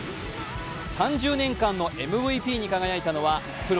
３０年間のＭＶＰに輝いたのはプロ